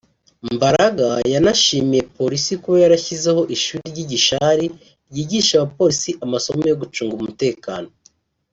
Mbaraga yanashimiye Polisi kuba yarashyizeho ishuri ry’i Gishali ryigisha abapolisi amasomo yo gucunga umutekano